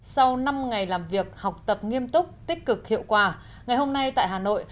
sau năm ngày làm việc học tập nghiêm túc tích cực hiệu quả ngày hôm nay tại hà nội